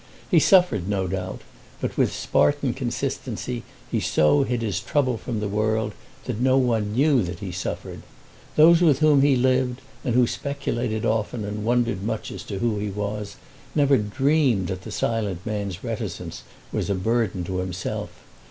He suffered, no doubt; but with Spartan consistency he so hid his trouble from the world that no one knew that he suffered. Those with whom he lived, and who speculated often and wondered much as to who he was, never dreamed that the silent man's reticence was a burden to himself.